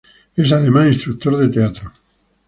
Es además instructor de teatro.